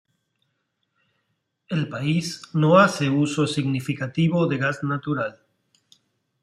El país no hace uso significativo de gas natural.